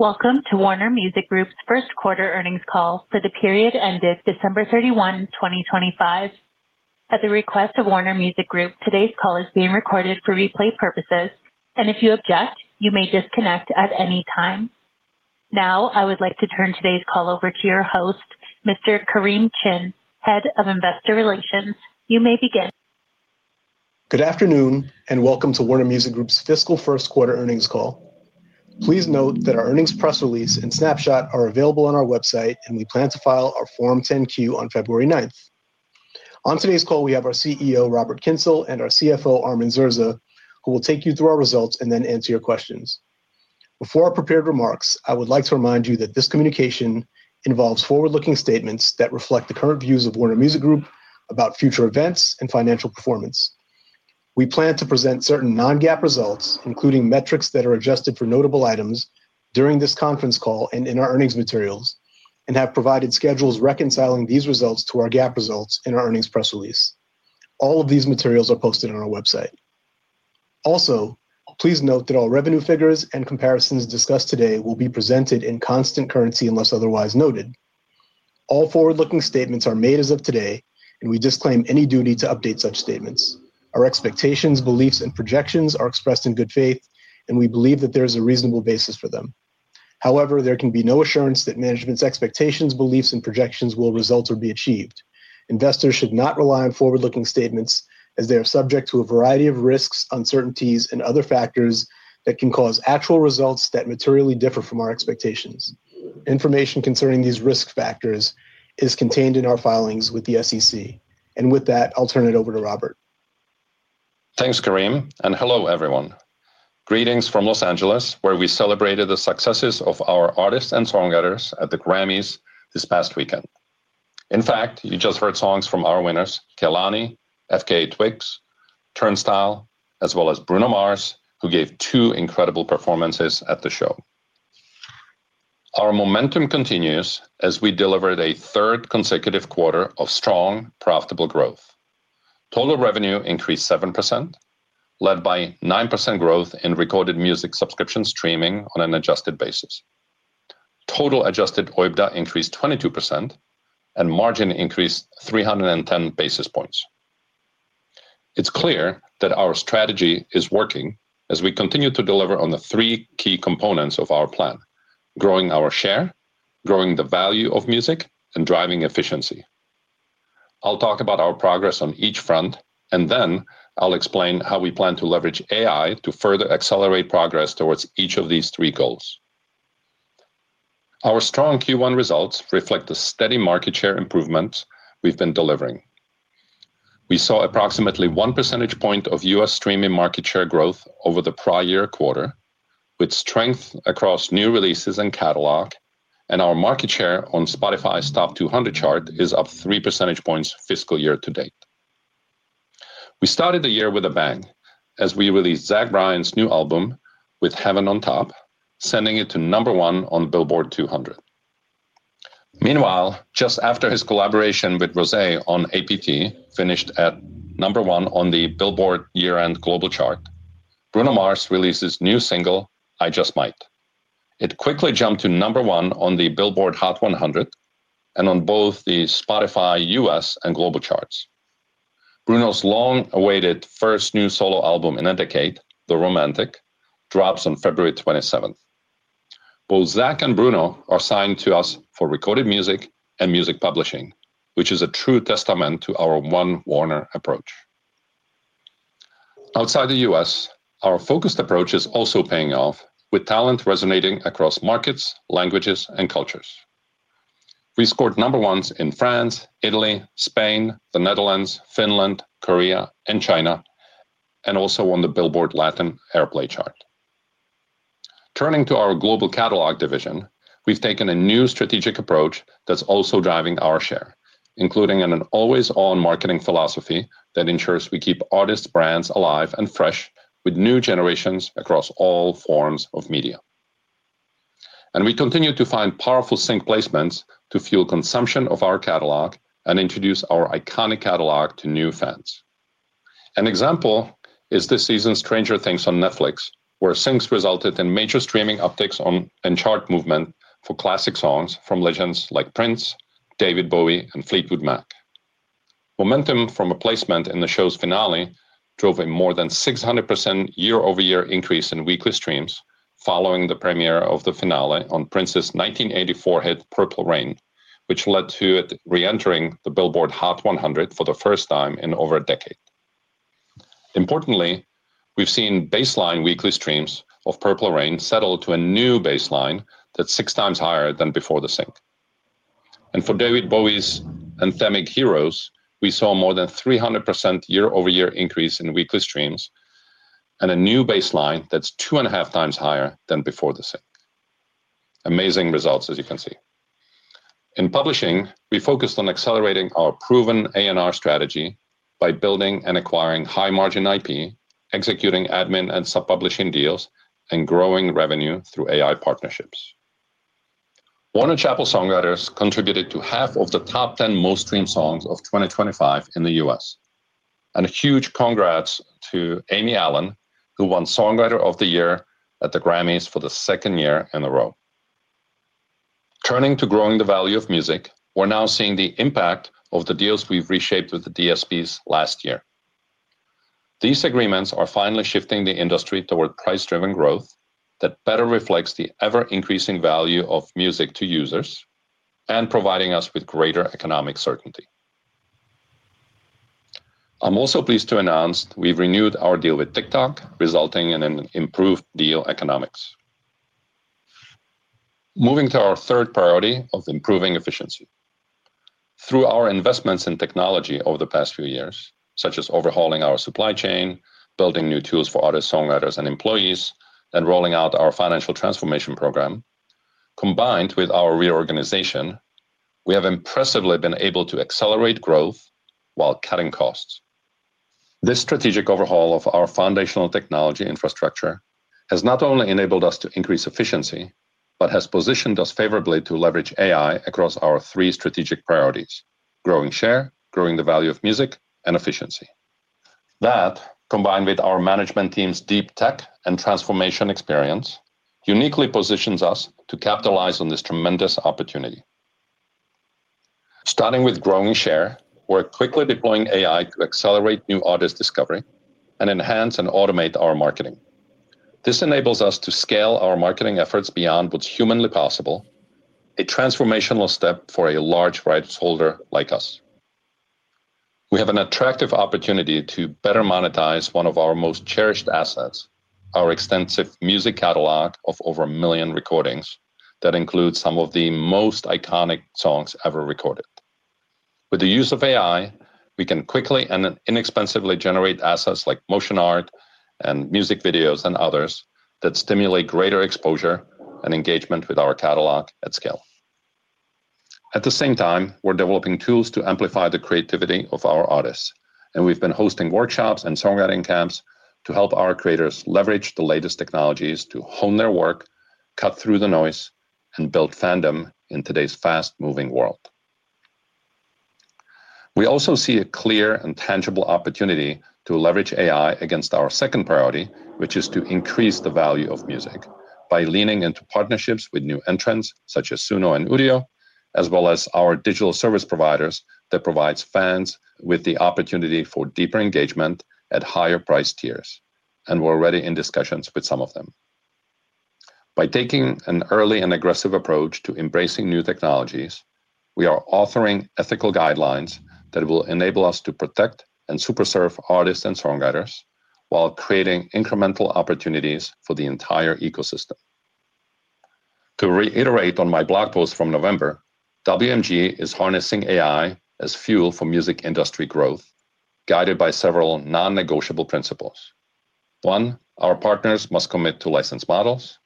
Welcome to Warner Music Group's First Quarter Earnings Call for the period ended December 31, 2025. At the request of Warner Music Group, today's call is being recorded for replay purposes, and if you object, you may disconnect at any time. Now, I would like to turn today's call over to your host, Mr. Kareem Chin, Head of Investor Relations. You may begin. Good afternoon, and welcome to Warner Music Group's Fiscal First Quarter Earnings Call. Please note that our earnings press release and snapshot are available on our website, and we plan to file our Form 10-Q on February ninth. On today's call, we have our CEO, Robert Kyncl, and our CFO, Armin Zerza, who will take you through our results and then answer your questions. Before our prepared remarks, I would like to remind you that this communication involves forward-looking statements that reflect the current views of Warner Music Group about future events and financial performance. We plan to present certain non-GAAP results, including metrics that are adjusted for notable items, during this conference call and in our earnings materials, and have provided schedules reconciling these results to our GAAP results in our earnings press release. All of these materials are posted on our website. Also, please note that all revenue figures and comparisons discussed today will be presented in constant currency, unless otherwise noted. All forward-looking statements are made as of today, and we disclaim any duty to update such statements. Our expectations, beliefs, and projections are expressed in good faith, and we believe that there is a reasonable basis for them. However, there can be no assurance that management's expectations, beliefs, and projections will result or be achieved. Investors should not rely on forward-looking statements as they are subject to a variety of risks, uncertainties, and other factors that can cause actual results that materially differ from our expectations. Information concerning these risk factors is contained in our filings with the SEC. And with that, I'll turn it over to Robert. Thanks, Kareem, and hello, everyone. Greetings from Los Angeles, where we celebrated the successes of our artists and songwriters at the Grammys this past weekend. In fact, you just heard songs from our winners, Kehlani, FKA twigs, Turnstile, as well as Bruno Mars, who gave two incredible performances at the show. Our momentum continues as we delivered a third consecutive quarter of strong, profitable growth. Total revenue increased 7%, led by 9% growth in recorded music subscription streaming on an adjusted basis. Total adjusted OIBDA increased 22% and margin increased 310 basis points. It's clear that our strategy is working as we continue to deliver on the three key components of our plan: growing our share, growing the value of music, and driving efficiency. I'll talk about our progress on each front, and then I'll explain how we plan to leverage AI to further accelerate progress towards each of these three goals. Our strong Q1 results reflect the steady market share improvement we've been delivering. We saw approximately one percentage point of U.S. streaming market share growth over the prior year quarter, with strength across new releases and catalog, and our market share on Spotify's Top 200 chart is up three percentage points fiscal year to date. We started the year with a bang as we released Zach Bryan's new album, With Heaven on Top, sending it to number one on Billboard 200. Meanwhile, just after his collaboration with Rosé on APT. finished at number one on the Billboard year-end global chart, Bruno Mars released his new single, I Just Might. It quickly jumped to number one on the Billboard Hot 100 and on both the Spotify US and global charts. Bruno's long-awaited first new solo album in a decade, The Romantic, drops on February 27th. Both Zach and Bruno are signed to us for recorded music and music publishing, which is a true testament to our One Warner approach. Outside the US, our focused approach is also paying off, with talent resonating across markets, languages, and cultures. We scored number ones in France, Italy, Spain, the Netherlands, Finland, Korea, and China, and also on the Billboard Latin Airplay chart. Turning to our global catalog division, we've taken a new strategic approach that's also driving our share, including an always-on marketing philosophy that ensures we keep artist brands alive and fresh with new generations across all forms of media. We continue to find powerful sync placements to fuel consumption of our catalog and introduce our iconic catalog to new fans. An example is this season's Stranger Things on Netflix, where syncs resulted in major streaming upticks on and chart movement for classic songs from legends like Prince, David Bowie, and Fleetwood Mac. Momentum from a placement in the show's finale drove a more than 600% year-over-year increase in weekly streams following the premiere of the finale on Prince's 1984 hit, Purple Rain, which led to it reentering the Billboard Hot 100 for the first time in over a decade. Importantly, we've seen baseline weekly streams of Purple Rain settle to a new baseline that's 6x higher than before the sync. For David Bowie's anthemic "Heroes," we saw more than 300% year-over-year increase in weekly streams and a new baseline that's 2.5x higher than before the sync. Amazing results, as you can see. In publishing, we focused on accelerating our proven A&R strategy by building and acquiring high-margin IP, executing admin and sub-publishing deals, and growing revenue through AI partnerships. Warner Chappell songwriters contributed to half of the top 10 most-streamed songs of 2025 in the US. A huge congrats to Amy Allen, who won Songwriter of the Year at the Grammys for the second year in a row. Turning to growing the value of music, we're now seeing the impact of the deals we've reshaped with the DSPs last year. These agreements are finally shifting the industry toward price-driven growth that better reflects the ever-increasing value of music to users and providing us with greater economic certainty. I'm also pleased to announce we've renewed our deal with TikTok, resulting in an improved deal economics. Moving to our third priority of improving efficiency. Through our investments in technology over the past few years, such as overhauling our supply chain, building new tools for artists, songwriters, and employees, and rolling out our financial transformation program, combined with our reorganization, we have impressively been able to accelerate growth while cutting costs. This strategic overhaul of our foundational technology infrastructure has not only enabled us to increase efficiency, but has positioned us favorably to leverage AI across our three strategic priorities: growing share, growing the value of music, and efficiency. That, combined with our management team's deep tech and transformation experience, uniquely positions us to capitalize on this tremendous opportunity. Starting with growing share, we're quickly deploying AI to accelerate new artist discovery and enhance and automate our marketing. This enables us to scale our marketing efforts beyond what's humanly possible, a transformational step for a large rights holder like us. We have an attractive opportunity to better monetize one of our most cherished assets, our extensive music catalog of over a million recordings that includes some of the most iconic songs ever recorded. With the use of AI, we can quickly and inexpensively generate assets like motion art and music videos, and others, that stimulate greater exposure and engagement with our catalog at scale. At the same time, we're developing tools to amplify the creativity of our artists, and we've been hosting workshops and songwriting camps to help our creators leverage the latest technologies to hone their work, cut through the noise, and build fandom in today's fast-moving world. We also see a clear and tangible opportunity to leverage AI against our second priority, which is to increase the value of music by leaning into partnerships with new entrants such as Suno and Udio, as well as our digital service providers that provides fans with the opportunity for deeper engagement at higher price tiers, and we're already in discussions with some of them. By taking an early and aggressive approach to embracing new technologies, we are authoring ethical guidelines that will enable us to protect and super serve artists and songwriters while creating incremental opportunities for the entire ecosystem. To reiterate on my blog post from November, WMG is harnessing AI as fuel for music industry growth, guided by several non-negotiable principles. One, our partners must commit to license models.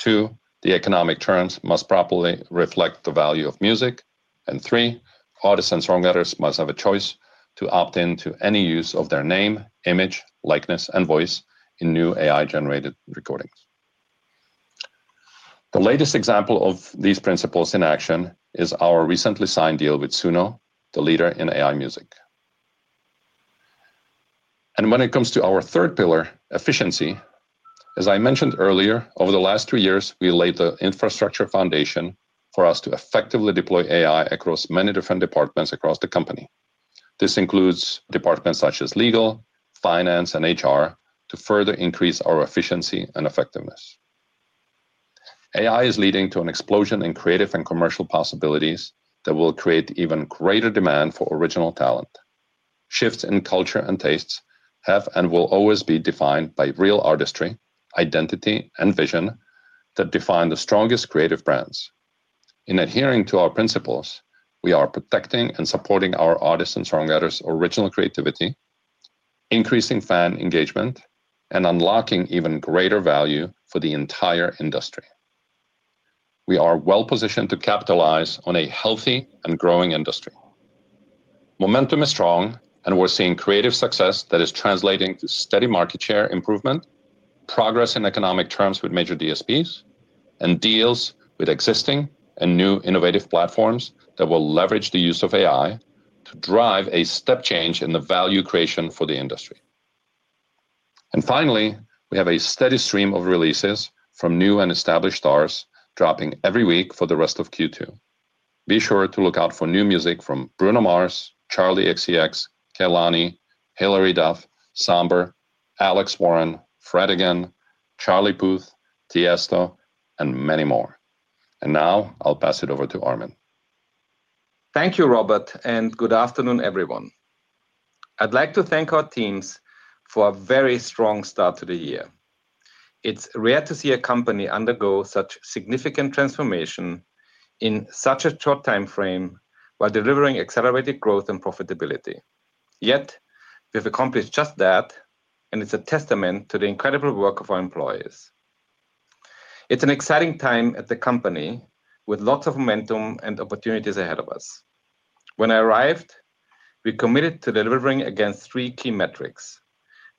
Two, the economic terms must properly reflect the value of music. And three, artists and songwriters must have a choice to opt in to any use of their name, image, likeness, and voice in new AI-generated recordings. The latest example of these principles in action is our recently signed deal with Suno, the leader in AI music. And when it comes to our third pillar, efficiency, as I mentioned earlier, over the last two years, we laid the infrastructure foundation for us to effectively deploy AI across many different departments across the company. This includes departments such as legal, finance, and HR to further increase our efficiency and effectiveness. AI is leading to an explosion in creative and commercial possibilities that will create even greater demand for original talent. Shifts in culture and tastes have and will always be defined by real artistry, identity, and vision that define the strongest creative brands. In adhering to our principles, we are protecting and supporting our artists' and songwriters' original creativity, increasing fan engagement, and unlocking even greater value for the entire industry. We are well-positioned to capitalize on a healthy and growing industry. Momentum is strong, and we're seeing creative success that is translating to steady market share improvement, progress in economic terms with major DSPs, and deals with existing and new innovative platforms that will leverage the use of AI to drive a step change in the value creation for the industry. Finally, we have a steady stream of releases from new and established stars dropping every week for the rest of Q2. Be sure to look out for new music from Bruno Mars, Charli XCX, Kehlani, Hilary Duff, Sam Barber, Alex Warren, Fred again.., Charlie Puth, Tiësto, and many more. Now I'll pass it over to Armin. Thank you, Robert, and good afternoon, everyone. I'd like to thank our teams for a very strong start to the year. It's rare to see a company undergo such significant transformation in such a short time frame while delivering accelerated growth and profitability. Yet, we've accomplished just that, and it's a testament to the incredible work of our employees. It's an exciting time at the company, with lots of momentum and opportunities ahead of us. When I arrived, we committed to delivering against three key metrics,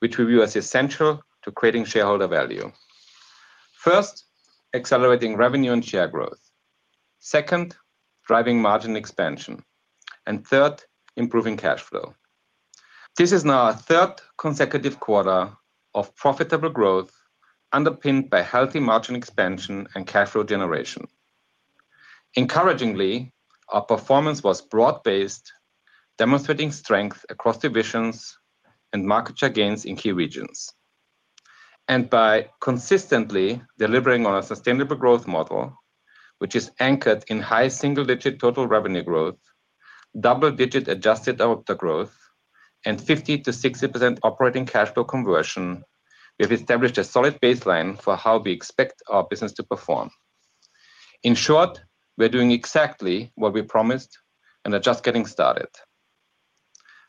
which we view as essential to creating shareholder value. First, accelerating revenue and share growth. Second, driving margin expansion, and third, improving cash flow. This is now our third consecutive quarter of profitable growth, underpinned by healthy margin expansion and cash flow generation. Encouragingly, our performance was broad-based, demonstrating strength across divisions and market share gains in key regions. By consistently delivering on a sustainable growth model, which is anchored in high single-digit total revenue growth, double-digit adjusted OIBDA growth, and 50%-60% operating cash flow conversion, we have established a solid baseline for how we expect our business to perform. In short, we are doing exactly what we promised and are just getting started.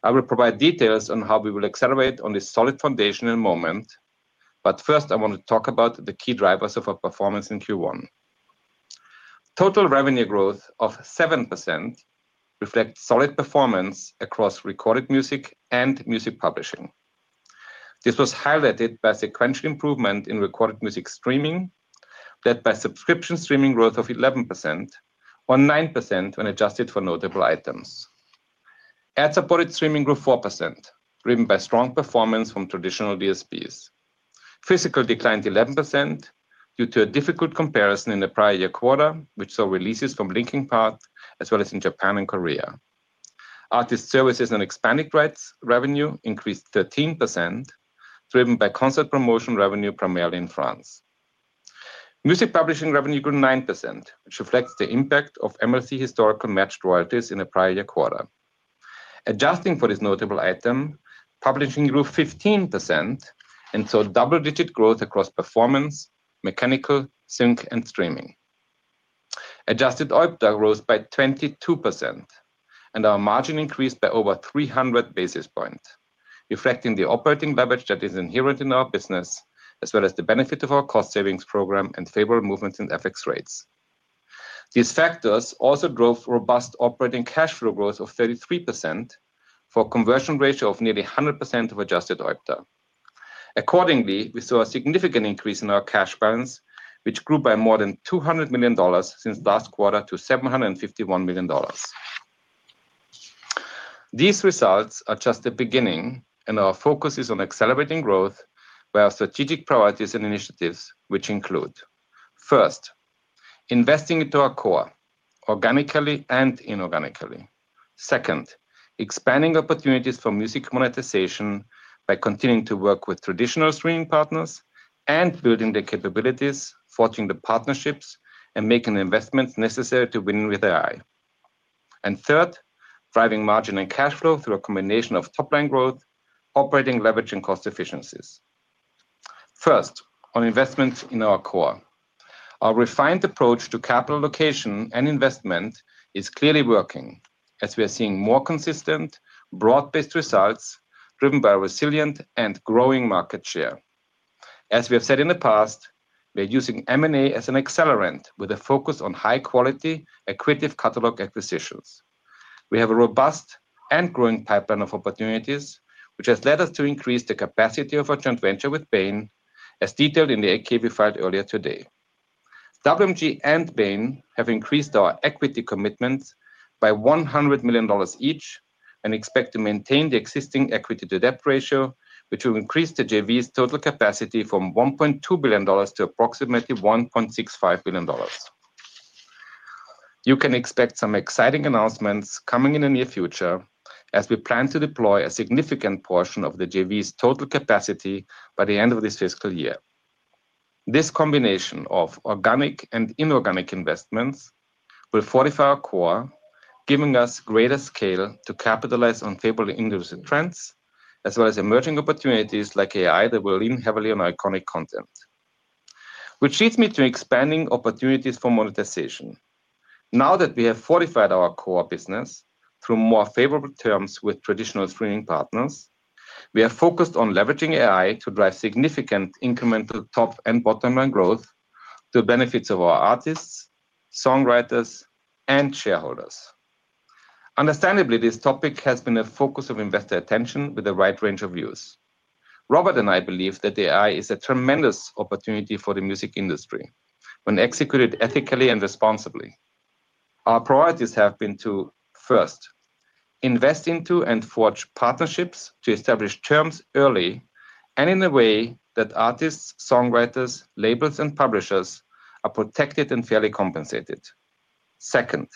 I will provide details on how we will accelerate on this solid foundation in a moment, but first, I want to talk about the key drivers of our performance in Q1. Total revenue growth of 7% reflects solid performance across recorded music and music publishing. This was highlighted by sequential improvement in recorded music streaming, led by subscription streaming growth of 11%, or 9% when adjusted for notable items. Ad-supported streaming grew 4%, driven by strong performance from traditional DSPs. Physical declined 11% due to a difficult comparison in the prior year quarter, which saw releases from Linkin Park, as well as in Japan and Korea. Artist services and expanded rights revenue increased 13%, driven by concert promotion revenue, primarily in France. Music publishing revenue grew 9%, which reflects the impact of MLC historical matched royalties in the prior year quarter. Adjusting for this notable item, publishing grew 15% and saw double-digit growth across performance, mechanical, sync, and streaming. Adjusted OIBDA rose by 22%, and our margin increased by over 300 basis points, reflecting the operating leverage that is inherent in our business, as well as the benefit of our cost savings program and favorable movements in FX rates. These factors also drove robust operating cash flow growth of 33%, for a conversion ratio of nearly 100% of adjusted OIBDA. Accordingly, we saw a significant increase in our cash balance, which grew by more than $200 million since last quarter to $751 million. These results are just the beginning, and our focus is on accelerating growth via strategic priorities and initiatives, which include, first, investing into our core organically and inorganically. Second, expanding opportunities for music monetization by continuing to work with traditional streaming partners and building the capabilities, forging the partnerships, and making the investments necessary to win with AI. And third, driving margin and cash flow through a combination of top-line growth, operating leverage, and cost efficiencies. First, on investments in our core. Our refined approach to capital allocation and investment is clearly working, as we are seeing more consistent, broad-based results, driven by resilient and growing market share. As we have said in the past, we are using M&A as an accelerant with a focus on high-quality, accretive catalog acquisitions. We have a robust and growing pipeline of opportunities, which has led us to increase the capacity of our joint venture with Bain, as detailed in the 8-K we filed earlier today. WMG and Bain have increased our equity commitments by $100 million each and expect to maintain the existing equity-to-debt ratio, which will increase the JV's total capacity from $1.2 billion to approximately $1.65 billion. You can expect some exciting announcements coming in the near future, as we plan to deploy a significant portion of the JV's total capacity by the end of this fiscal year. This combination of organic and inorganic investments will fortify our core, giving us greater scale to capitalize on favorable industry trends, as well as emerging opportunities like AI that will lean heavily on iconic content. Which leads me to expanding opportunities for monetization. Now that we have fortified our core business through more favorable terms with traditional streaming partners, we are focused on leveraging AI to drive significant incremental top- and bottom-line growth to the benefits of our artists, songwriters, and shareholders. Understandably, this topic has been a focus of investor attention with a wide range of views. Robert and I believe that AI is a tremendous opportunity for the music industry when executed ethically and responsibly. Our priorities have been to, first, invest into and forge partnerships to establish terms early and in a way that artists, songwriters, labels, and publishers are protected and fairly compensated. Second,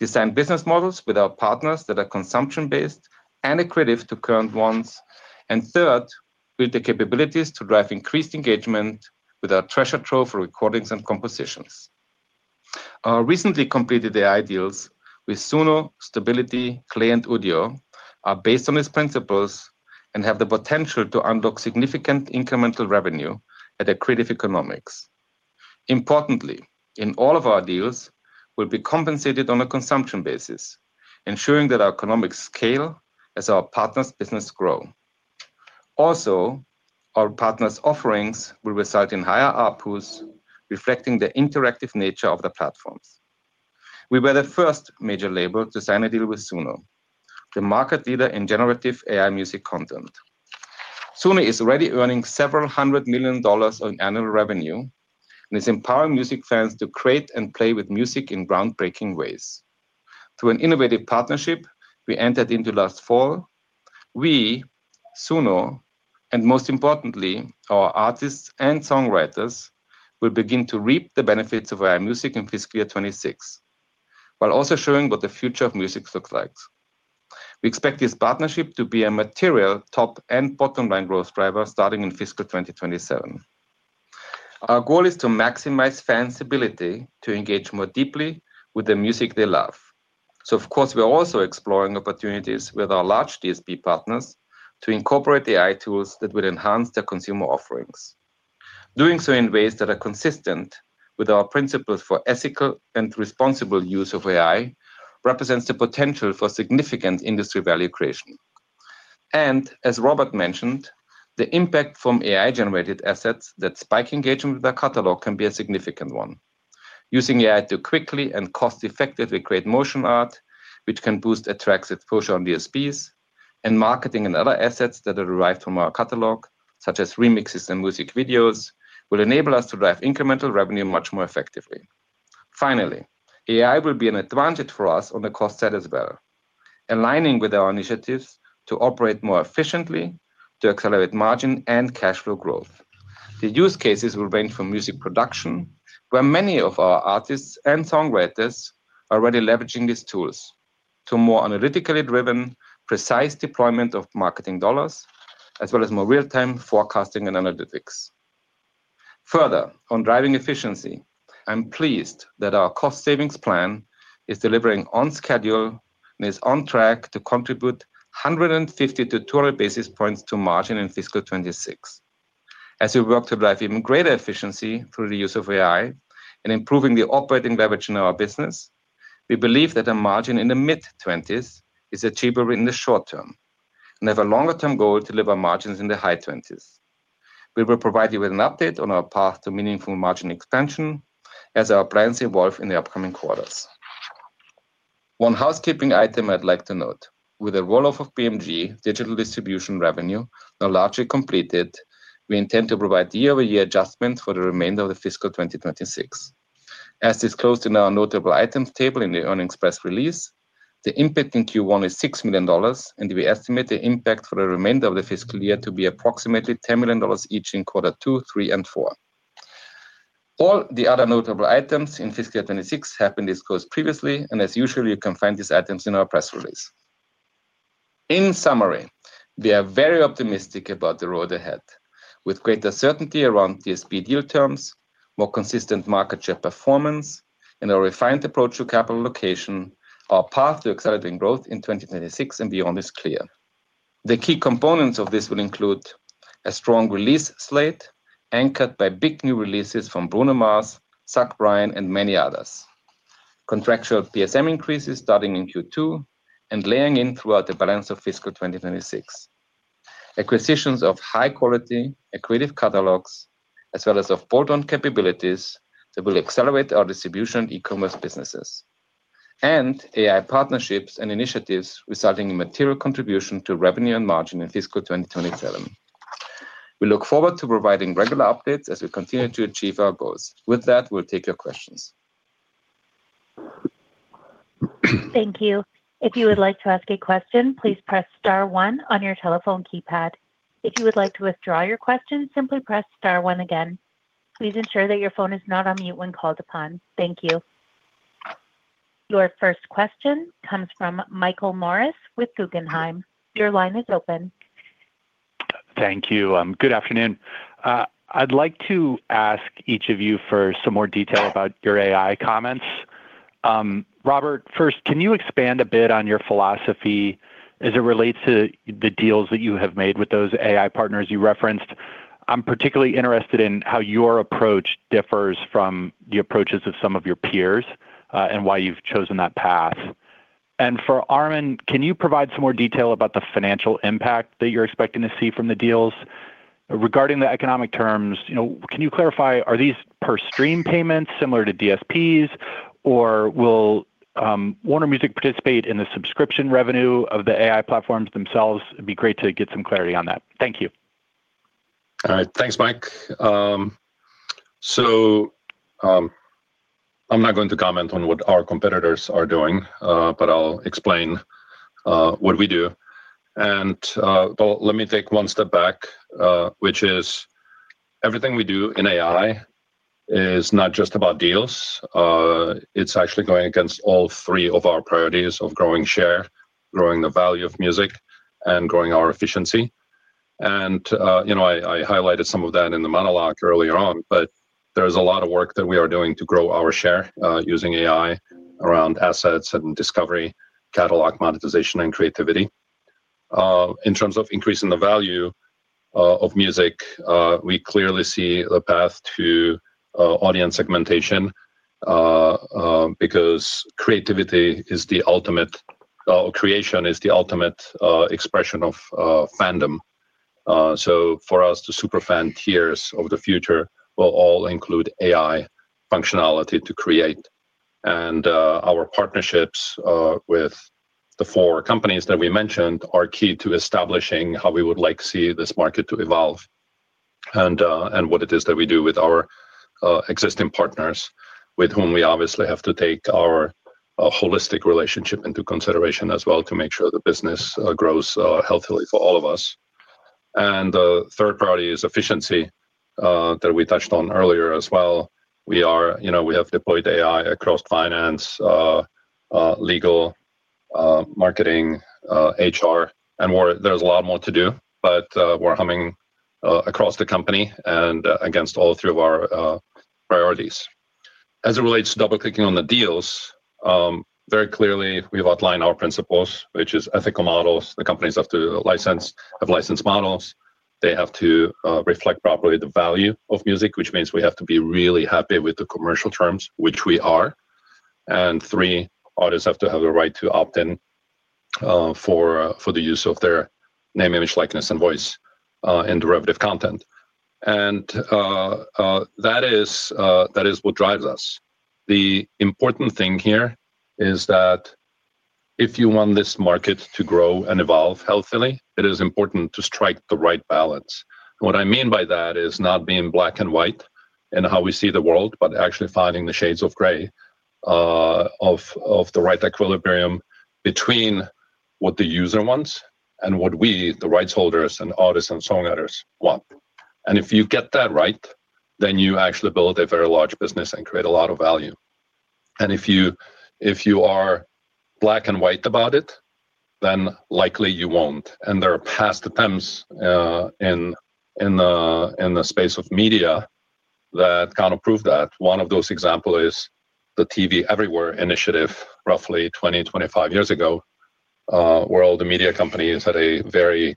design business models with our partners that are consumption-based and accretive to current ones. And third, build the capabilities to drive increased engagement with our treasure trove of recordings and compositions. Our recently completed AI deals with Suno, Stability, KLAY, and Udio are based on these principles and have the potential to unlock significant incremental revenue at accretive economics. Importantly, in all of our deals, we'll be compensated on a consumption basis, ensuring that our economics scale as our partners' business grow. Also, our partners' offerings will result in higher ARPUs, reflecting the interactive nature of the platforms. We were the first major label to sign a deal with Suno, the market leader in generative AI music content. Suno is already earning several hundred million on annual revenue, and is empowering music fans to create and play with music in groundbreaking ways. Through an innovative partnership we entered into last fall, we, Suno, and most importantly, our artists and songwriters, will begin to reap the benefits of our music in fiscal year 2026, while also showing what the future of music looks like. We expect this partnership to be a material top and bottom-line growth driver starting in fiscal 2027. Our goal is to maximize fans' ability to engage more deeply with the music they love. So of course, we are also exploring opportunities with our large DSP partners to incorporate the AI tools that will enhance their consumer offerings. Doing so in ways that are consistent with our principles for ethical and responsible use of AI, represents the potential for significant industry value creation. And as Robert mentioned, the impact from AI-generated assets that spike engagement with their catalog can be a significant one. Using AI to quickly and cost-effectively create motion art, which can boost, attract, its push on DSPs, and marketing and other assets that are derived from our catalog, such as remixes and music videos, will enable us to drive incremental revenue much more effectively. Finally, AI will be an advantage for us on the cost side as well, aligning with our initiatives to operate more efficiently, to accelerate margin and cash flow growth. The use cases will range from music production, where many of our artists and songwriters are already leveraging these tools, to more analytically driven, precise deployment of marketing dollars, as well as more real-time forecasting and analytics. Further, on driving efficiency, I'm pleased that our cost savings plan is delivering on schedule and is on track to contribute 150-200 basis points to margin in fiscal 2026. As we work to drive even greater efficiency through the use of AI and improving the operating leverage in our business, we believe that a margin in the mid-20s% is achievable in the short term, and have a longer-term goal to deliver margins in the high 20s%. We will provide you with an update on our path to meaningful margin expansion as our plans evolve in the upcoming quarters. One housekeeping item I'd like to note. With the roll-off of BMG, digital distribution revenue, now largely completed, we intend to provide year-over-year adjustment for the remainder of the fiscal 2026. As disclosed in our notable items table in the earnings press release, the impact in Q1 is $6 million, and we estimate the impact for the remainder of the fiscal year to be approximately $10 million each in quarter two, three, and four. All the other notable items in fiscal 2026 have been disclosed previously, and as usual, you can find these items in our press release. In summary, we are very optimistic about the road ahead. With greater certainty around DSP deal terms, more consistent market share performance, and a refined approach to capital allocation, our path to accelerating growth in 2026 and beyond is clear. The key components of this will include a strong release slate, anchored by big new releases from Bruno Mars, Zach Bryan, and many others. Contractual DSP increases starting in Q2, and layering in throughout the balance of fiscal 2026. Acquisitions of high-quality, accretive catalogs, as well as bolt-on capabilities that will accelerate our distribution, e-commerce businesses, and AI partnerships and initiatives, resulting in material contribution to revenue and margin in fiscal 2027. We look forward to providing regular updates as we continue to achieve our goals. With that, we'll take your questions. Thank you. If you would like to ask a question, please press star one on your telephone keypad. If you would like to withdraw your question, simply press star one again. Please ensure that your phone is not on mute when called upon. Thank you. Your first question comes from Michael Morris with Guggenheim. Your line is open. Thank you. Good afternoon. I'd like to ask each of you for some more detail about your AI comments. Robert, first, can you expand a bit on your philosophy as it relates to the deals that you have made with those AI partners you referenced? I'm particularly interested in how your approach differs from the approaches of some of your peers, and why you've chosen that path. And for Armin, can you provide some more detail about the financial impact that you're expecting to see from the deals? Regarding the economic terms, you know, can you clarify, are these per stream payments similar to DSPs, or will Warner Music participate in the subscription revenue of the AI platforms themselves? It'd be great to get some clarity on that. Thank you. All right. Thanks, Mike. So, I'm not going to comment on what our competitors are doing, but I'll explain what we do. And, well, let me take one step back, which is, everything we do in AI is not just about deals, it's actually going against all three of our priorities of growing share, growing the value of music, and growing our efficiency. And, you know, I highlighted some of that in the monologue earlier on, but there's a lot of work that we are doing to grow our share, using AI around assets and discovery, catalog, monetization, and creativity. In terms of increasing the value of music, we clearly see the path to audience segmentation because creativity is the ultimate, or creation is the ultimate, expression of, fandom. So for us, the super fan tiers of the future will all include AI functionality to create. And, our partnerships, with the four companies that we mentioned are key to establishing how we would like to see this market to evolve, and, and what it is that we do with our, existing partners, with whom we obviously have to take our, holistic relationship into consideration as well, to make sure the business, grows, healthily for all of us. And the third priority is efficiency, that we touched on earlier as well. We are-- You know, we have deployed AI across finance, legal, marketing, HR, and more. There's a lot more to do, but, we're humming, across the company and against all three of our, priorities. As it relates to double-clicking on the deals, very clearly, we've outlined our principles, which is ethical models. The companies have to license, have licensed models. They have to, reflect properly the value of music, which means we have to be really happy with the commercial terms, which we are, and three, artists have to have the right to opt in, for, for the use of their name, image, likeness, and voice, and derivative content. And, that is, that is what drives us. The important thing here is that if you want this market to grow and evolve healthily, it is important to strike the right balance. What I mean by that is not being black and white in how we see the world, but actually finding the shades of gray of the right equilibrium between what the user wants and what we, the rights holders and artists and songwriters, want. If you get that right, then you actually build a very large business and create a lot of value. If you are black and white about it, then likely you won't. There are past attempts in the space of media that kind of prove that. One of those example is the TV Everywhere initiative, roughly 25 years ago, where all the media companies had a very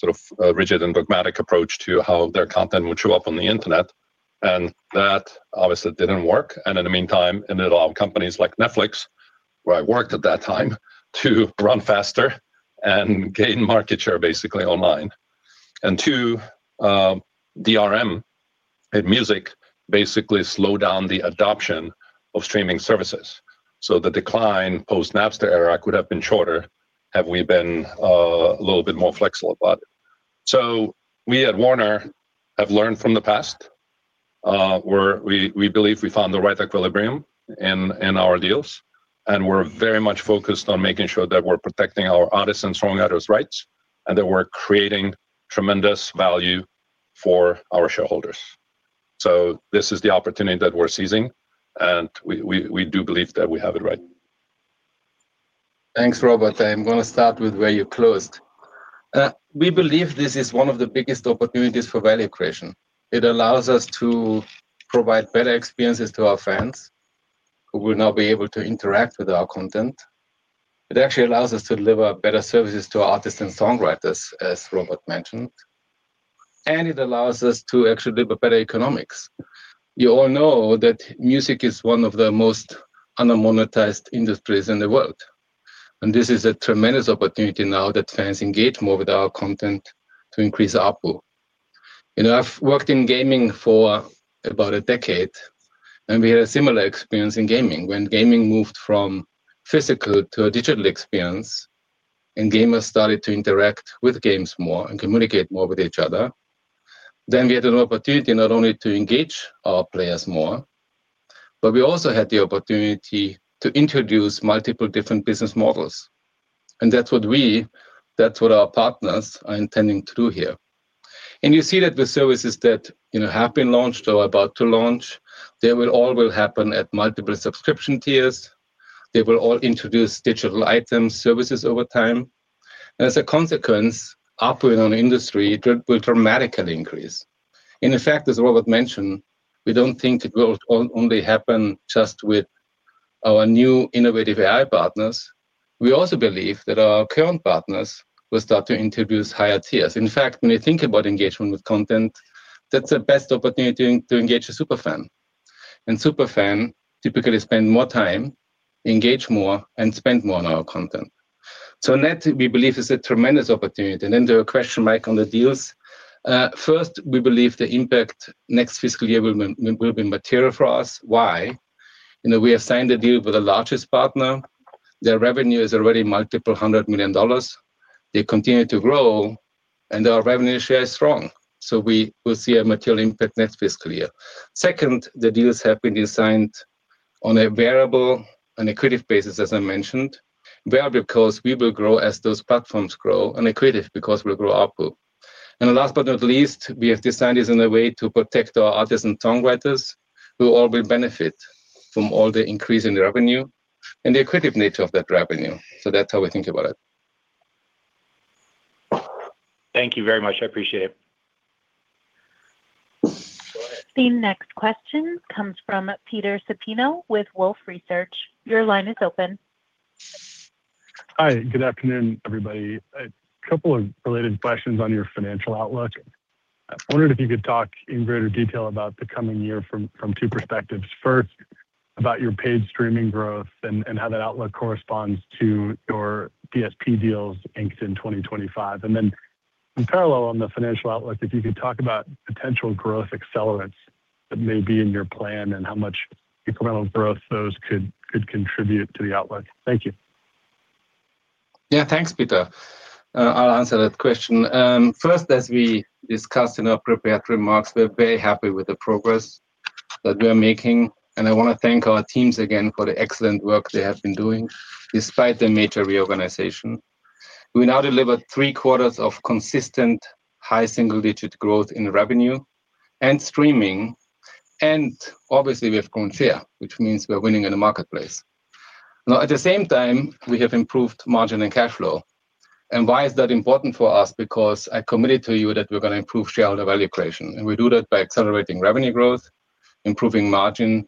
sort of rigid and dogmatic approach to how their content would show up on the internet. And that obviously didn't work, and in the meantime, it allowed companies like Netflix, where I worked at that time, to run faster and gain market share, basically, online. And two, DRM and music basically slowed down the adoption of streaming services. So the decline post-Napster era could have been shorter had we been a little bit more flexible about it. So we at Warner have learned from the past. We're—we, we believe we have found the right equilibrium in, in our deals, and we're very much focused on making sure that we're protecting our artists' and songwriters' rights, and that we're creating tremendous value for our shareholders. So this is the opportunity that we're seizing, and we, we, we do believe that we have it right. Thanks, Robert. I'm going to start with where you closed. We believe this is one of the biggest opportunities for value creation. It allows us to provide better experiences to our fans, who will now be able to interact with our content. It actually allows us to deliver better services to artists and songwriters, as Robert mentioned, and it allows us to actually deliver better economics. You all know that music is one of the most under-monetized industries in the world, and this is a tremendous opportunity now that fans engage more with our content to increase ARPU. You know, I've worked in gaming for about a decade, and we had a similar experience in gaming. When gaming moved from physical to a digital experience, and gamers started to interact with games more and communicate more with each other, then we had an opportunity not only to engage our players more, but we also had the opportunity to introduce multiple different business models. And that's what we, that's what our partners are intending to do here. And you see that the services that, you know, have been launched or are about to launch, they will all will happen at multiple subscription tiers. They will all introduce digital items, services over time, and as a consequence, ARPU in our industry will, will dramatically increase. And in fact, as Robert mentioned, we don't think it will on-only happen just with our new innovative AI partners. We also believe that our current partners will start to introduce higher tiers. In fact, when you think about engagement with content, that's the best opportunity to engage a super fan, and super fan typically spend more time, engage more, and spend more on our content. So net, we believe, is a tremendous opportunity. And then the question, Mike, on the deals. First, we believe the impact next fiscal year will be material for us. Why? You know, we have signed a deal with the largest partner. Their revenue is already multiple $100 million. They continue to grow, and our revenue share is strong, so we will see a material impact next fiscal year. Second, the deals have been designed on a variable and accretive basis, as I mentioned, variable because we will grow as those platforms grow, and accretive because we'll grow ARPU. Last but not least, we have designed this in a way to protect our artists and songwriters, who all will benefit from all the increase in the revenue and the accretive nature of that revenue. That's how we think about it. Thank you very much. I appreciate it. The next question comes from Peter Supino with Wolfe Research. Your line is open. Hi, good afternoon, everybody. A couple of related questions on your financial outlook. I wondered if you could talk in greater detail about the coming year from two perspectives. First, about your paid streaming growth and how that outlook corresponds to your DSP deals inked in 2025. And then in parallel, on the financial outlook, if you could talk about potential growth accelerants that may be in your plan and how much incremental growth those could contribute to the outlook. Thank you. Yeah, thanks, Peter. I'll answer that question. First, as we discussed in our prepared remarks, we're very happy with the progress that we are making, and I want to thank our teams again for the excellent work they have been doing despite the major reorganization. We now deliver three quarters of consistent high single-digit growth in revenue and streaming, and obviously, we have grown share, which means we're winning in the marketplace. Now, at the same time, we have improved margin and cash flow. And why is that important for us? Because I committed to you that we're gonna improve shareholder value creation, and we do that by accelerating revenue growth, improving margin,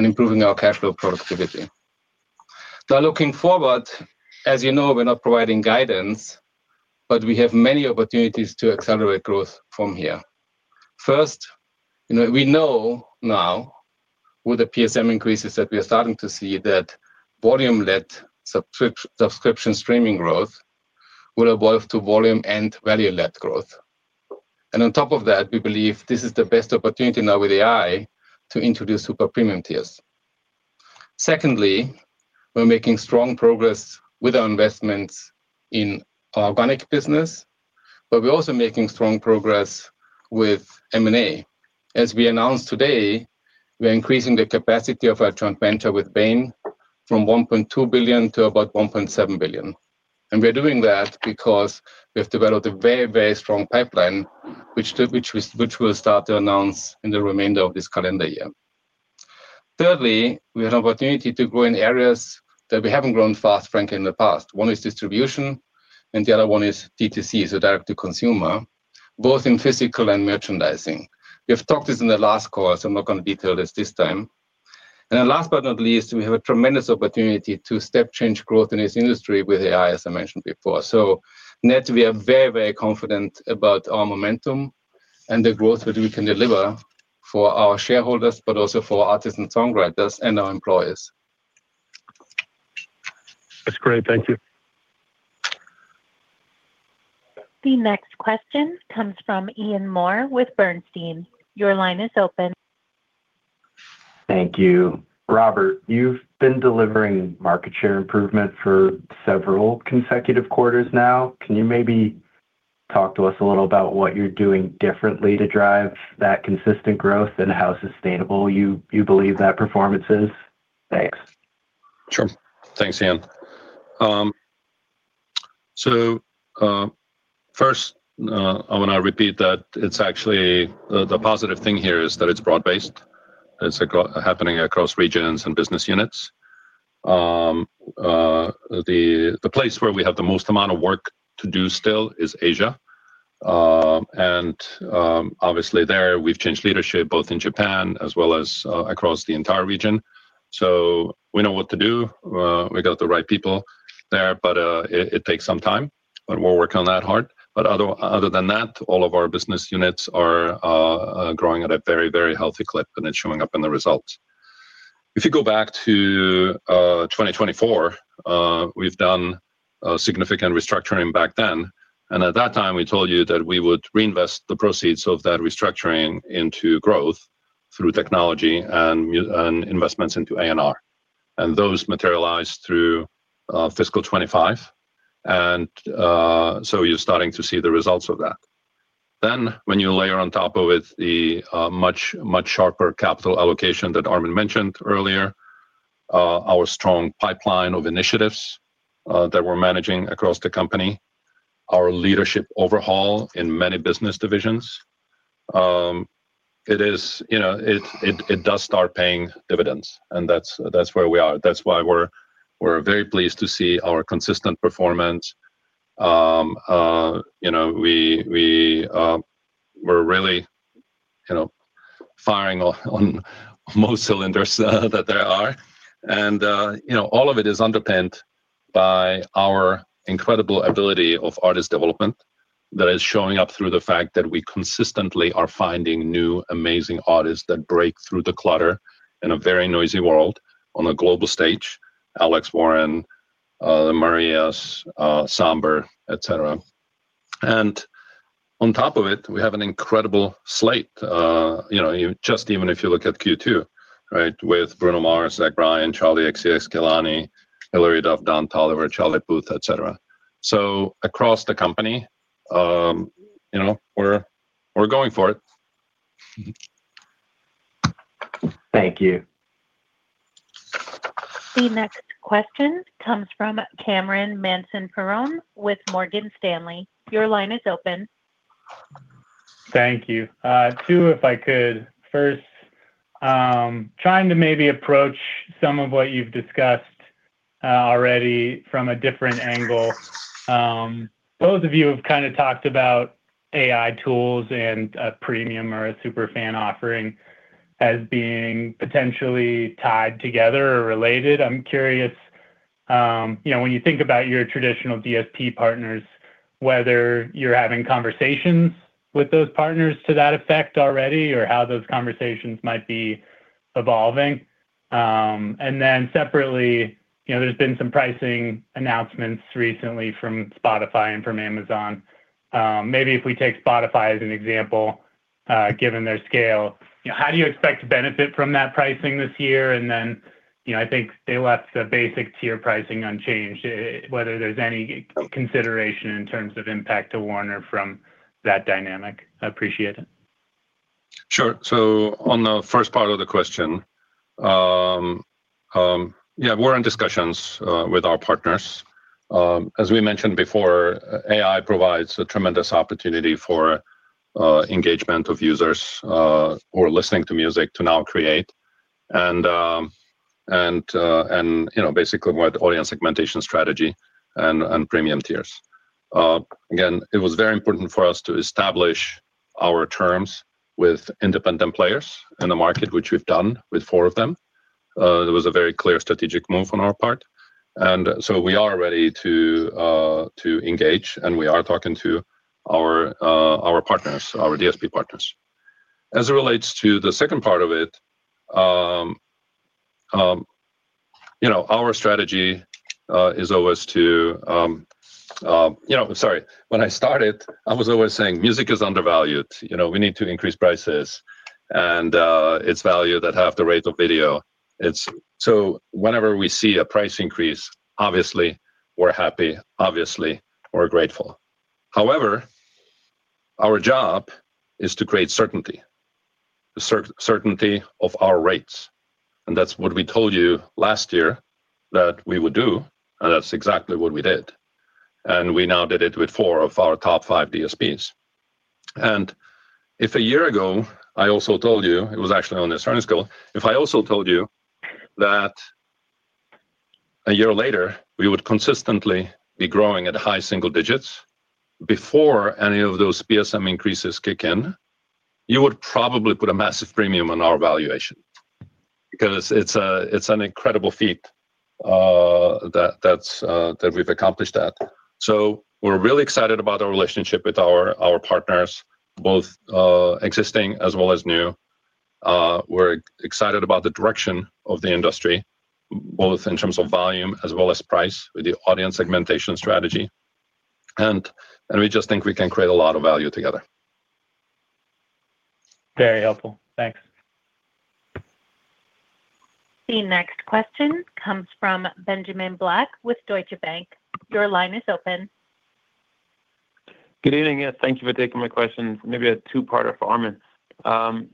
and improving our cash flow productivity. Now, looking forward, as you know, we're not providing guidance, but we have many opportunities to accelerate growth from here. First, you know, we know now with the PSM increases, that we are starting to see that volume-led subscription streaming growth will evolve to volume and value-led growth. And on top of that, we believe this is the best opportunity now with AI to introduce super premium tiers. Secondly, we're making strong progress with our investments in our organic business, but we're also making strong progress with M&A. As we announced today, we're increasing the capacity of our joint venture with Bain from $1.2 billion to about $1.7 billion. And we're doing that because we have developed a very, very strong pipeline, which we'll start to announce in the remainder of this calendar year. Thirdly, we have an opportunity to grow in areas that we haven't grown fast, frankly, in the past. One is distribution, and the other one is DTC, so direct to consumer, both in physical and merchandising. We have talked this in the last quarter, so I'm not gonna detail this, this time. And then last but not least, we have a tremendous opportunity to step change growth in this industry with AI, as I mentioned before. So net, we are very, very confident about our momentum and the growth that we can deliver for our shareholders, but also for artists and songwriters and our employees. That's great. Thank you. The next question comes from Ian Moore with Bernstein. Your line is open. Thank you. Robert, you've been delivering market share improvement for several consecutive quarters now. Can you maybe talk to us a little about what you're doing differently to drive that consistent growth and how sustainable you believe that performance is? Thanks. Sure. Thanks, Ian. So, first, I want to repeat that it's actually the positive thing here is that it's broad-based. It's happening across regions and business units. The place where we have the most amount of work to do still is Asia. And obviously there, we've changed leadership both in Japan as well as across the entire region, so we know what to do. We got the right people there, but it takes some time, but we're working on that hard. But other than that, all of our business units are growing at a very, very healthy clip, and it's showing up in the results. If you go back to 2024, we've done a significant restructuring back then, and at that time, we told you that we would reinvest the proceeds of that restructuring into growth through technology and music and investments into A&R, and those materialized through fiscal 2025. So you're starting to see the results of that. Then, when you layer on top of it, the much, much sharper capital allocation that Armin mentioned earlier, our strong pipeline of initiatives that we're managing across the company, our leadership overhaul in many business divisions, it is, you know, it does start paying dividends, and that's where we are. That's why we're very pleased to see our consistent performance. You know, we, we're really, you know, firing on most cylinders that there are. And, you know, all of it is underpinned by our incredible ability of artist development that is showing up through the fact that we consistently are finding new, amazing artists that break through the clutter in a very noisy world on a global stage, Alex Warren, The Marías, Sam Barber, et cetera. And on top of it, we have an incredible slate, you know, just even if you look at Q2, right, with Bruno Mars, Zach Bryan, Charli XCX, Kehlani, Hilary Duff, Don Toliver, Charlotte Booth, et cetera. So across the company, you know, we're, we're going for it. Thank you. The next question comes from Cameron Mansson-Perrone with Morgan Stanley. Your line is open. Thank you. Two, if I could. First, trying to maybe approach some of what you've discussed already from a different angle. Both of you have kind of talked about-AI tools and a premium or a super fan offering as being potentially tied together or related. I'm curious, you know, when you think about your traditional DSP partners, whether you're having conversations with those partners to that effect already or how those conversations might be evolving? And then separately, you know, there's been some pricing announcements recently from Spotify and from Amazon. Maybe if we take Spotify as an example, given their scale, you know, how do you expect to benefit from that pricing this year? And then, you know, I think they left the basic tier pricing unchanged, whether there's any consideration in terms of impact to Warner from that dynamic. Appreciate it. Sure. On the first part of the question, yeah, we're in discussions with our partners. As we mentioned before, AI provides a tremendous opportunity for engagement of users who are listening to music to now create and you know, basically, wide audience segmentation strategy and premium tiers. Again, it was very important for us to establish our terms with independent players in the market, which we've done with four of them. It was a very clear strategic move on our part, and so we are ready to engage, and we are talking to our partners, our DSP partners. As it relates to the second part of it our strategy is always to, sorry, when I started, I was always saying music is undervalued. You know, we need to increase prices and its value that have the rate of video. It's so whenever we see a price increase, obviously, we're happy, obviously, we're grateful. However, our job is to create certainty, the certainty of our rates, and that's what we told you last year that we would do, and that's exactly what we did. And we now did it with four of our top five DSPs. And if a year ago, I also told you, it was actually on this earnings call, if I also told you that a year later, we would consistently be growing at high single digits before any of those DSP increases kick in, you would probably put a massive premium on our valuation because it's a, it's an incredible feat that we've accomplished. So we're really excited about our relationship with our, our partners, both, existing as well as new. We're excited about the direction of the industry, both in terms of volume as well as price, with the audience segmentation strategy, and, and we just think we can create a lot of value together. Very helpful. Thanks. The next question comes from Benjamin Black with Deutsche Bank. Your line is open. Good evening, yeah, thank you for taking my questions. Maybe a two-parter for Armin.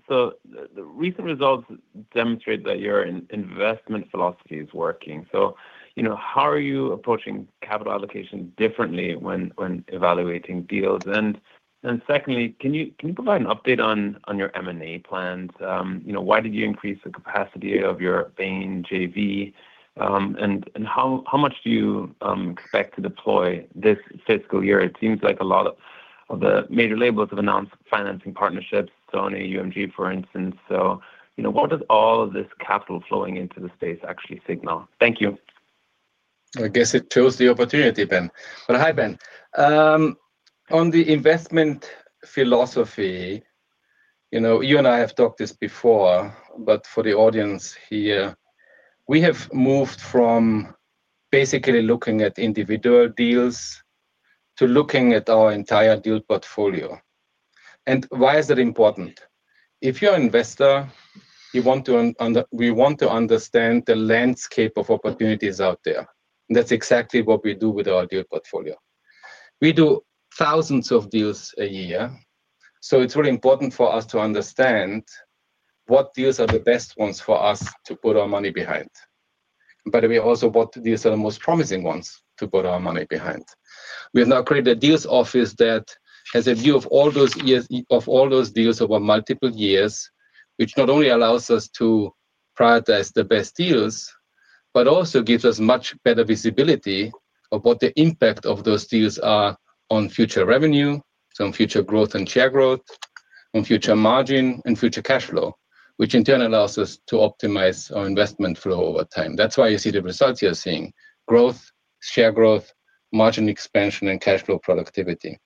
So the recent results demonstrate that your investment philosophy is working. So, you know, how are you approaching capital allocation differently when evaluating deals? And secondly, can you provide an update on your M&A plans? You know, why did you increase the capacity of your Bain JV? And how much do you expect to deploy this fiscal year? It seems like a lot of the major labels have announced financing partnerships, Sony, UMG, for instance. So, you know, what does all this capital flowing into the space actually signal? Thank you. I guess it shows the opportunity, Ben. But hi, Ben. On the investment philosophy, you know, you and I have talked this before, but for the audience here, we have moved from basically looking at individual deals to looking at our entire deal portfolio. And why is that important? If you're an investor, you want to, we want to understand the landscape of opportunities out there. That's exactly what we do with our deal portfolio. We do thousands of deals a year, so it's really important for us to understand what deals are the best ones for us to put our money behind, but we also what deals are the most promising ones to put our money behind. We have now created a deals office that has a view of all those years, of all those deals over multiple years, which not only allows us to prioritize the best deals, but also gives us much better visibility about the impact of those deals are on future revenue, so on future growth and share growth, on future margin and future cash flow, which in turn allows us to optimize our investment flow over time. That's why you see the results you're seeing: growth, share growth, margin expansion, and cash flow productivity.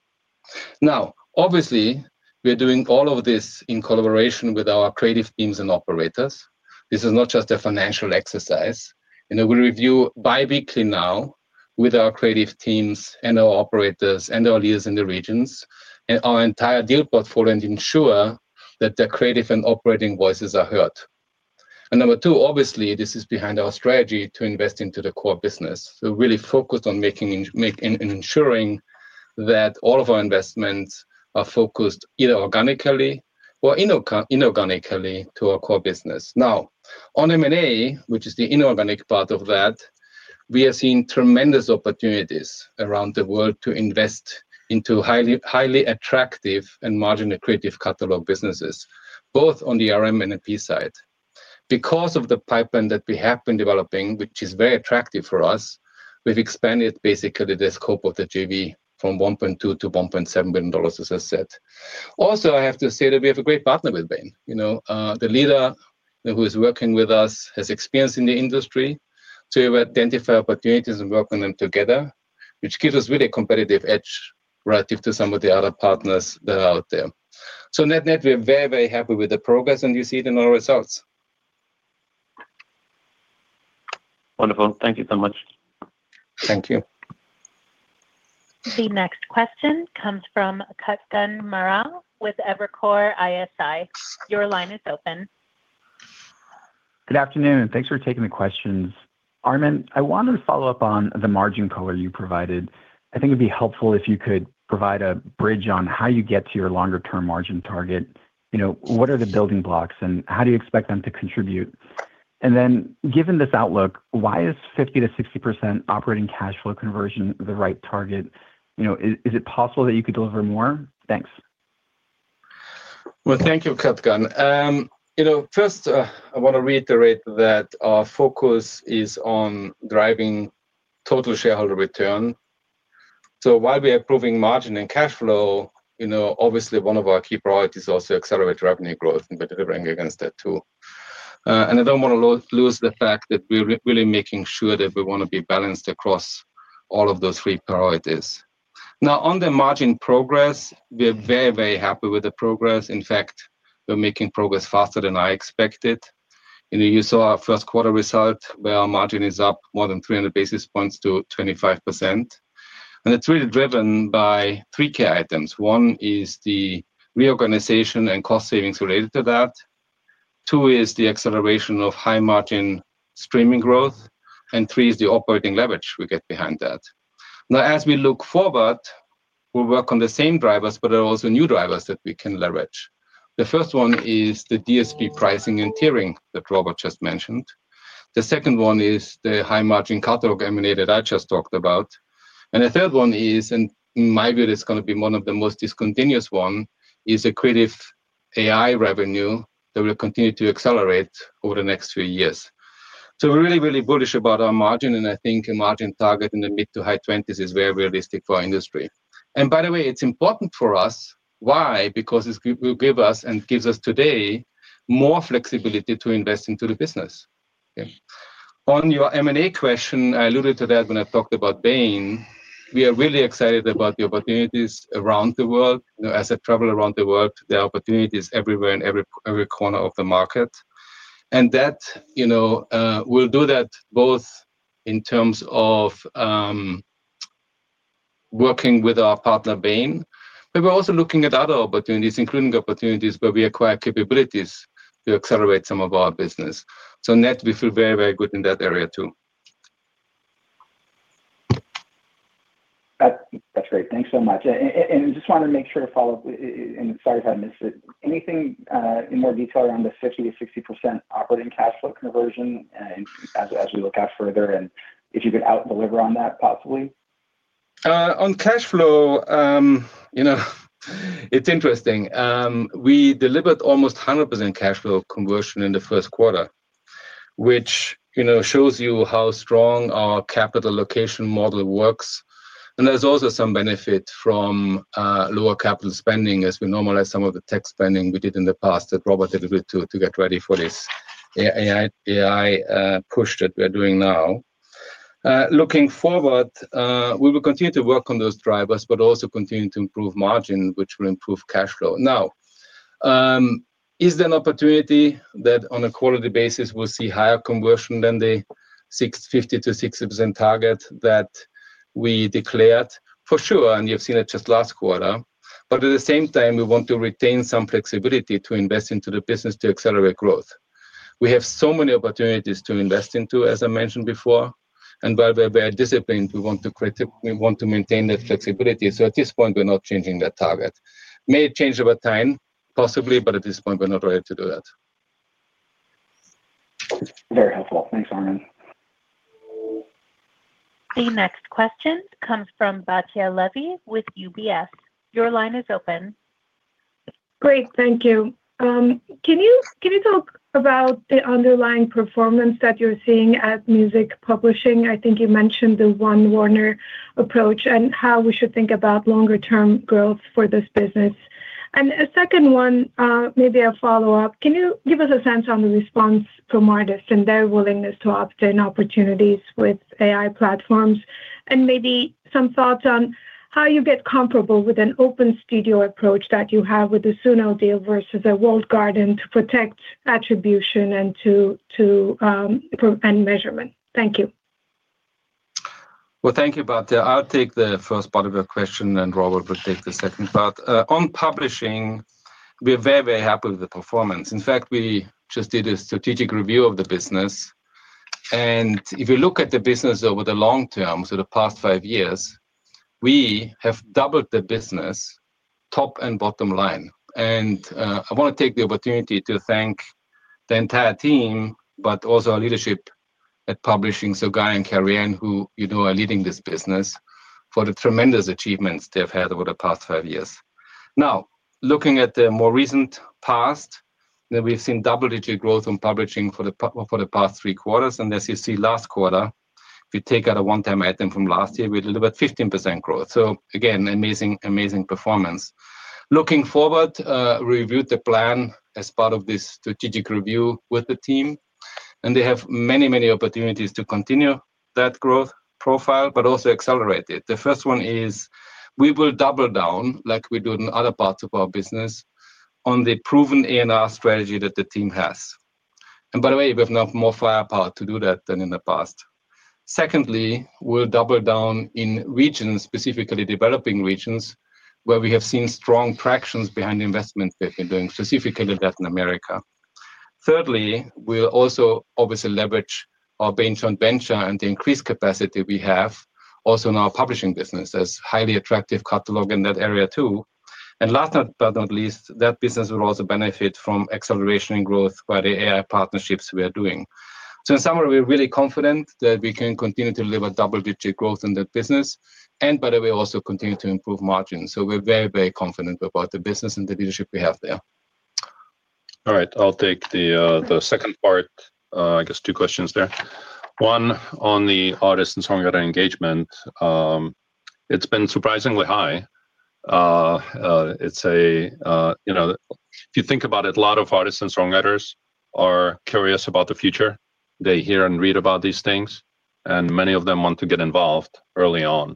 Now, obviously, we are doing all of this in collaboration with our creative teams and operators. This is not just a financial exercise, and we review biweekly now with our creative teams and our operators and our leaders in the regions, and our entire deal portfolio and ensure that their creative and operating voices are heard. And number two, obviously, this is behind our strategy to invest into the core business. So we're really focused on making investments and ensuring that all of our investments are focused, either organically or inorganically to our core business. Now, on M&A, which is the inorganic part of that, we are seeing tremendous opportunities around the world to invest into highly, highly attractive and margin accretive catalog businesses, both on the RM and EP side. Because of the pipeline that we have been developing, which is very attractive for us, we've expanded basically the scope of the JV from $1.2 billion to $1.7 billion, as I said. Also, I have to say that we have a great partner with Bain. You know, the leader who is working with us has experience in the industry to identify opportunities and work on them together, which gives us really a competitive edge relative to some of the other partners that are out there. So net-net, we are very, very happy with the progress, and you see it in our results. Wonderful. Thank you so much. Thank you. The next question comes from Kutgun Maral with Evercore ISI. Your line is open. Good afternoon, thanks for taking the questions. Armin, I wanted to follow up on the margin color you provided. I think it'd be helpful if you could provide a bridge on how you get to your longer-term margin target. You know, what are the building blocks, and how do you expect them to contribute? And then, given this outlook, why is 50%-60% operating cash flow conversion the right target? You know, is, is it possible that you could deliver more? Thanks. Well, thank you, Kutgun. You know, first, I want to reiterate that our focus is on driving total shareholder return. So while we are improving margin and cash flow, you know, obviously, one of our key priorities is also to accelerate revenue growth and we're delivering against that, too. And I don't want to lose the fact that we're really making sure that we want to be balanced across all of those three priorities. Now, on the margin progress, we are very, very happy with the progress. In fact, we're making progress faster than I expected. You know, you saw our first quarter result, where our margin is up more than 300 basis points to 25%, and it's really driven by three key items. One is the reorganization and cost savings related to that. Two is the acceleration of high-margin streaming growth, and three is the operating leverage we get behind that. Now, as we look forward, we'll work on the same drivers, but there are also new drivers that we can leverage. The first one is the DSP pricing and tiering that Robert just mentioned. The second one is the high-margin catalog M&A that I just talked about. And the third one is, in my view, it's gonna be one of the most discontinuous one, is accretive AI revenue that will continue to accelerate over the next few years. So we're really, really bullish about our margin, and I think a margin target in the mid- to high-20s is very realistic for our industry. And by the way, it's important for us. Why? Because it's will give us, and gives us today, more flexibility to invest into the business. Yeah. On your M&A question, I alluded to that when I talked about Bain. We are really excited about the opportunities around the world. You know, as I travel around the world, there are opportunities everywhere, in every corner of the market. And that, you know, we'll do that both in terms of working with our partner, Bain, but we're also looking at other opportunities, including opportunities where we acquire capabilities to accelerate some of our business. So net, we feel very, very good in that area, too. That, that's great. Thanks so much. And just wanted to make sure to follow up, and sorry if I missed it, anything in more detail around the 50%-60% operating cash flow conversion as we look out further, and if you could out-deliver on that, possibly? On cash flow, you know, it's interesting. We delivered almost 100% cash flow conversion in the first quarter, which, you know, shows you how strong our capital allocation model works. There's also some benefit from lower capital spending as we normalize some of the tech spending we did in the past that Robert had to do to get ready for this AI push that we're doing now. Looking forward, we will continue to work on those drivers, but also continue to improve margin, which will improve cash flow. Now, is there an opportunity that on a quality basis we'll see higher conversion than the 50%-60% target that we declared? For sure, and you've seen it just last quarter. But at the same time, we want to retain some flexibility to invest into the business to accelerate growth. We have so many opportunities to invest into, as I mentioned before, and while we are disciplined, we want to maintain that flexibility. So at this point, we're not changing that target. May change over time, possibly, but at this point, we're not ready to do that. Very helpful. Thanks, Armin. The next question comes from Batya Levi with UBS. Your line is open. Great, thank you. Can you, can you talk about the underlying performance that you're seeing at Music Publishing? I think you mentioned the One Warner approach and how we should think about longer term growth for this business. And a second one, maybe a follow-up, can you give us a sense on the response from artists and their willingness to opt-in opportunities with AI platforms? And maybe some thoughts on how you get comparable with an open studio approach that you have with the Suno deal versus a walled garden to protect attribution and to improve any measurement. Thank you. Well, thank you, Batya. I'll take the first part of your question, and Robert will take the second part. On publishing, we are very, very happy with the performance. In fact, we just did a strategic review of the business, and if you look at the business over the long term, so the past five years, we have doubled the business, top and bottom line. I want to take the opportunity to thank the entire team, but also our leadership team at publishing, so Guy and Carianne, who you know are leading this business, for the tremendous achievements they've had over the past five years. Now, looking at the more recent past, that we've seen double-digit growth in publishing for the past three quarters, and as you see, last quarter, if you take out a one-time item from last year, we delivered 15% growth. So again, amazing, amazing performance. Looking forward, we reviewed the plan as part of this strategic review with the team, and they have many, many opportunities to continue that growth profile, but also accelerate it. The first one is, we will double down, like we do in other parts of our business, on the proven A&R strategy that the team has. And by the way, we have now more firepower to do that than in the past. Secondly, we'll double down in regions, specifically developing regions, where we have seen strong traction behind the investment we've been doing, specifically in Latin America. Thirdly, we'll also obviously leverage our bench on venture and the increased capacity we have also in our publishing business. There's highly attractive catalog in that area, too. And last, but not least, that business will also benefit from acceleration and growth by the AI partnerships we are doing. So in summary, we're really confident that we can continue to deliver double-digit growth in that business, and by the way, we also continue to improve margins. So we're very, very confident about the business and the leadership we have there. All right, I'll take the second part, I guess two questions there. One, on the artist and songwriter engagement, it's been surprisingly high. if you think about it, a lot of artists and songwriters are curious about the future. They hear and read about these things, and many of them want to get involved early on.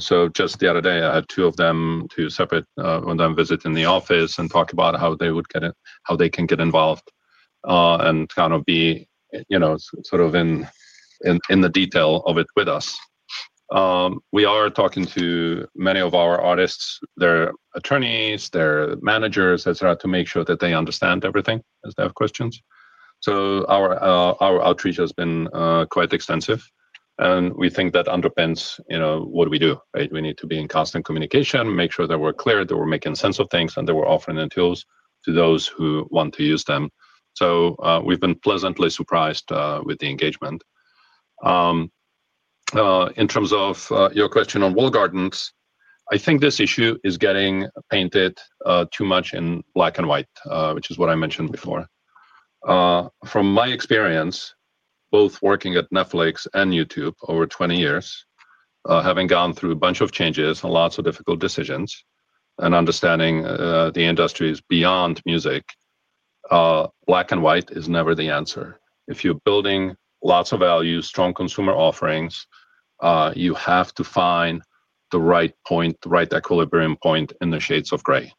So just the other day, I had two of them, two separate of them visit in the office and talk about how they can get involved and kind of be sort of in the detail of it with us. We are talking to many of our artists, their attorneys, their managers, et cetera, to make sure that they understand everything, as they have questions. So our outreach has been quite extensive, and we think that underpins, you know, what we do, right? We need to be in constant communication, make sure that we're clear, that we're making sense of things, and that we're offering the tools to those who want to use them. So we've been pleasantly surprised with the engagement. In terms of your question on walled gardens, I think this issue is getting painted too much in black and white, which is what I mentioned before. From my experience, both working at Netflix and YouTube over 20 years, having gone through a bunch of changes and lots of difficult decisions and understanding the industries beyond music, black and white is never the answer. If you're building lots of value, strong consumer offerings, you have to find the right point, the right equilibrium point in the shades of gray.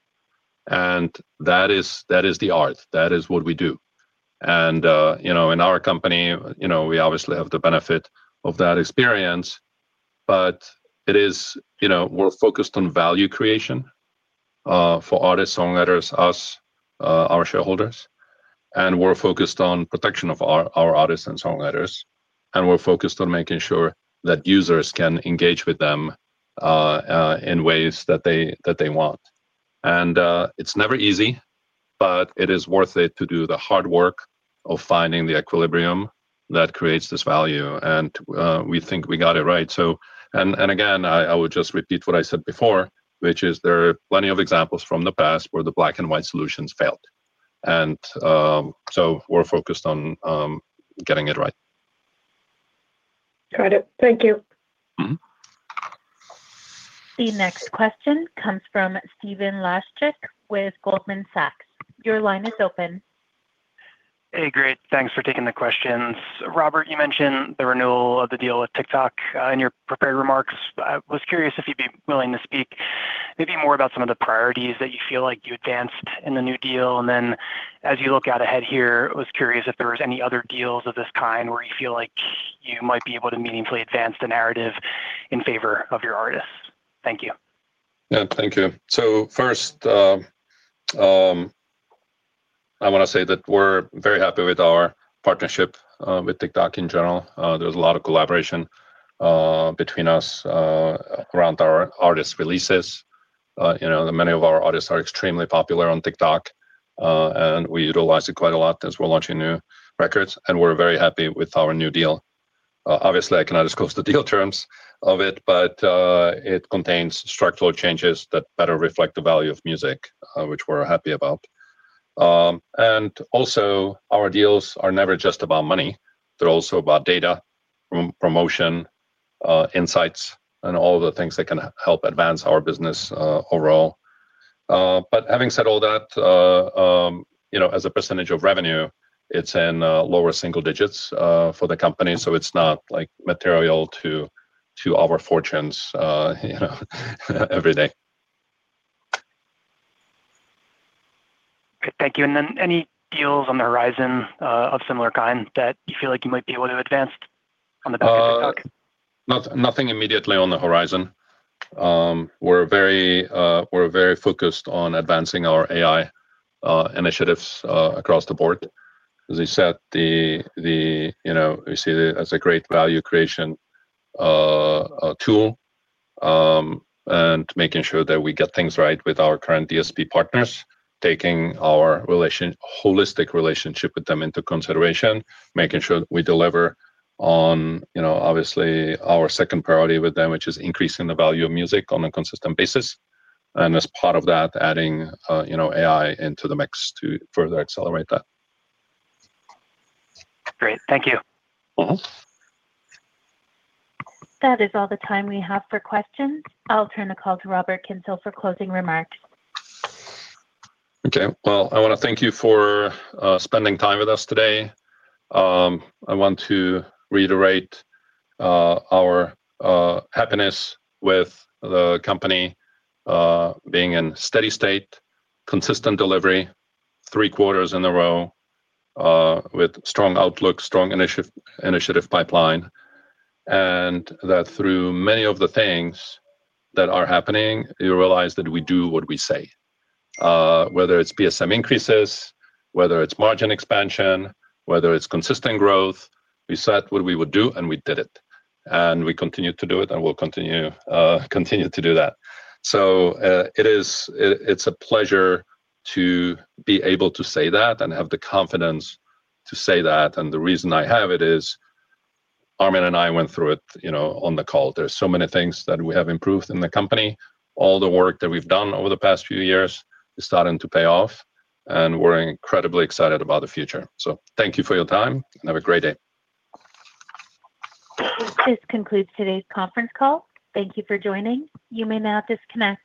And that is, that is the art, that is what we do. And in our company we obviously have the benefit of that experience, but we're focused on value creation, for artists, songwriters, us, our shareholders, and we're focused on protection of our, artists and songwriters, and we're focused on making sure that users can engage with them, in ways that they, that they want. And, it's never easy, but it is worth it to do the hard work of finding the equilibrium that creates this value, and we think we got it right. So again, I would just repeat what I said before, which is there are plenty of examples from the past where the black-and-white solutions failed. So we're focused on getting it right. Got it. Thank you. The next question comes from Stephen Laszczyk with Goldman Sachs. Your line is open. Hey, great. Thanks for taking the questions. Robert, you mentioned the renewal of the deal with TikTok, in your prepared remarks. I was curious if you'd be willing to speak maybe more about some of the priorities that you feel like you advanced in the new deal. And then, as you look out ahead here, I was curious if there was any other deals of this kind where you feel like you might be able to meaningfully advance the narrative in favor of your artists. Thank you. Thank you. So first, I wanna say that we're very happy with our partnership with TikTok in general. There's a lot of collaboration between us around our artists' releases. You know, many of our artists are extremely popular on TikTok, and we utilize it quite a lot as we're launching new records, and we're very happy with our new deal. Obviously, I cannot disclose the deal terms of it, but it contains structural changes that better reflect the value of music, which we're happy about. And also, our deals are never just about money. They're also about data, promotion, insights, and all the things that can help advance our business overall. But having said all that, you know, as a percentage of revenue, it's in lower single digits for the company, so it's not, like, material to our fortunes, you know, every day. Thank you. And then any deals on the horizon, of similar kind that you feel like you might be able to advance on the back of TikTok? Nothing immediately on the horizon. We're very focused on advancing our AI initiatives across the board. As I said, you know, we see it as a great value creation tool, and making sure that we get things right with our current DSP partners, taking our holistic relationship with them into consideration, making sure we deliver on, you know, obviously, our second priority with them, which is increasing the value of music on a consistent basis, and as part of that, adding, you know, AI into the mix to further accelerate that. Great. Thank you. That is all the time we have for questions. I'll turn the call to Robert Kyncl for closing remarks. Okay. Well, I wanna thank you for spending time with us today. I want to reiterate our happiness with the company being in steady state, consistent delivery, three quarters in a row, with strong outlook, strong initiative, initiative pipeline, and that through many of the things that are happening, you realize that we do what we say. Whether it's BSM increases, whether it's margin expansion, whether it's consistent growth, we said what we would do, and we did it, and we continued to do it, and we'll continue to do that. So, it's a pleasure to be able to say that and have the confidence to say that, and the reason I have it is, Armin and I went through it on the call. There's so many things that we have improved in the company. All the work that we've done over the past few years is starting to pay off, and we're incredibly excited about the future. So thank you for your time, and have a great day. This concludes today's conference call. Thank you for joining. You may now disconnect.